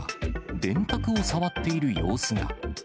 電卓を触っている様子が。